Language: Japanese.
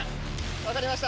分かりました。